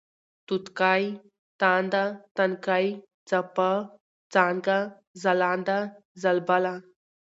توتکۍ ، تانده ، تنکۍ ، څپه ، څانگه ، ځلانده ، ځلبله